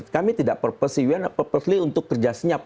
kami tidak purposely untuk kerja senyap